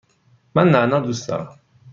من نعنا دوست دارم.